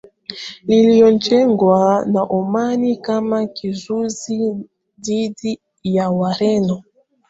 lililojengwa na Omani kama kizuizi dhidi ya Wareno